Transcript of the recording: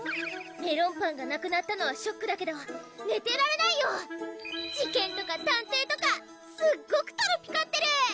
メロンパンがなくなったのはショックだけどねてられないよ事件とか探偵とかすっごくトロピカってる！